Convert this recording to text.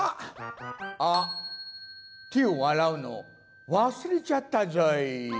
あってをあらうのわすれちゃったぞい。